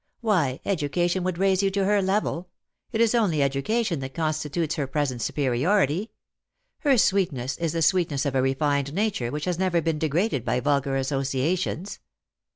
Why, education would raise you to her level ! It is only education that constitutes her present superiority. Her sweetness is the sweetness of a refined nature which has never been degraded by vulgar associations."